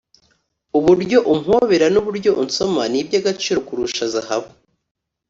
uburyo umpobera n’uburyo unsoma ni iby’agaciro kurusha zahabu